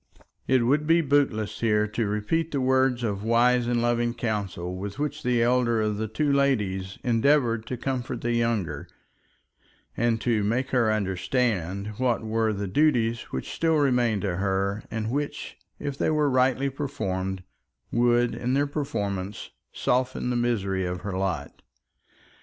It would be bootless here to repeat the words of wise and loving counsel with which the elder of the two ladies endeavoured to comfort the younger, and to make her understand what were the duties which still remained to her, and which, if they were rightly performed, would, in their performance, soften the misery of her lot.